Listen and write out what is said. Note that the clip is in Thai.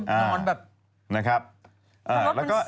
โอ้โหนอนแบบ